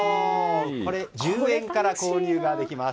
これ、１０円から購入できます。